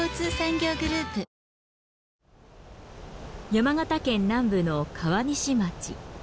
山形県南部の川西町。